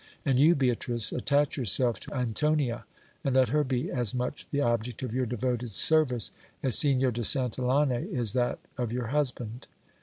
And you, Beatrice, attach yourself to Antonia, and let her be as much the object of your devoted service as Signor de Santillane is that of your husband.